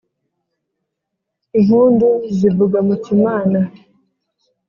impundu zivuga mu k’imana